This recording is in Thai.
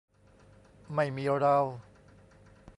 ไม่มีเรา